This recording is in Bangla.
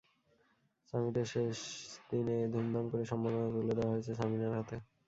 সামিটের শেষ দিনে ধুমধাম করে সম্মাননা তুলে দেওয়া হয়েছে সামিনার হাতে।